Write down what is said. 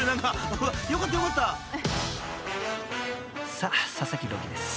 ［さあ佐々木朗希です。